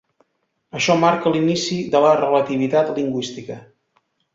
Això marca l’inici de la relativitat lingüística.